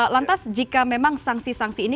lantas jika memang sanksi sanksi ini